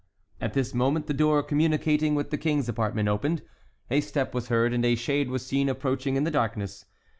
At this moment the door communicating with the King's apartment opened, a step was heard, and a shade was seen approaching in the darkness.